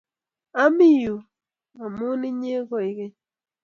ami u amun inye koing'eny